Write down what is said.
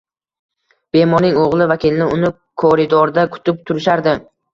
Bemorning o`g`li va kelini uni koridorda kutib turishardi